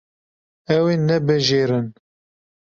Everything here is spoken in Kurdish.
Ew ê nebijêrin.